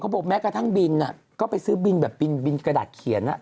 บอกแม้กระทั่งบินก็ไปซื้อบินแบบบินกระดาษเขียน